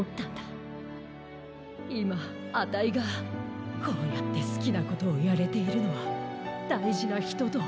いまあたいがこうやってすきなことをやれているのはだいじなひとと。